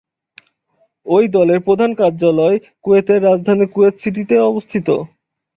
এই দলের প্রধান কার্যালয় কুয়েতের রাজধানী কুয়েত সিটিতে অবস্থিত।